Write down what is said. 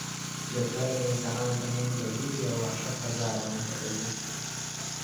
جګړه د انسانانو ترمنځ د وېرې او وحشت فضا رامنځته کوي.